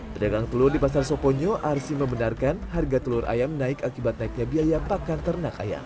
pedagang telur di pasar soponyo arsi membenarkan harga telur ayam naik akibat naiknya biaya pakan ternak ayam